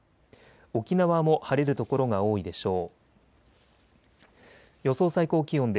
沖縄も晴れる所が多いでしょう。